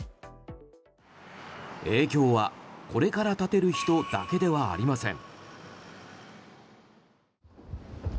影響は、これから建てる人だけではありません。